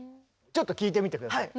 ちょっと聴いてみて下さい。